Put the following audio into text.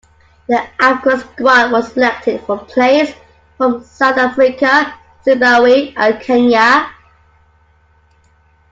The African squad was selected from players from South Africa, Zimbabwe and Kenya.